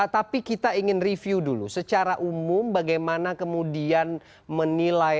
tapi kita ingin review dulu secara umum bagaimana kemudian menilai